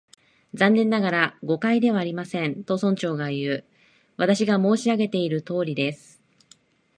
「残念ながら、誤解ではありません」と、村長がいう。「私が申し上げているとおりです」